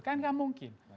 kan tidak mungkin